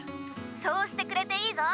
☎そうしてくれていいぞ。